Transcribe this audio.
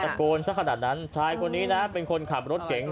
ตะโกนสักขนาดนั้นชายคนนี้นะเป็นคนขับรถเก๋ง